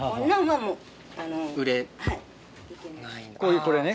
こういうこれね